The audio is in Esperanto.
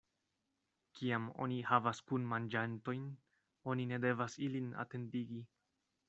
Kiam oni havas kunmanĝantojn, oni ne devas ilin atendigi.